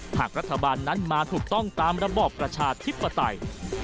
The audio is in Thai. หากรัฐบาลนั้นมาถูกต้องตามระบอบประชาธิปไตย